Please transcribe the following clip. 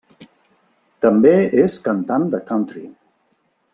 També és cantant de country.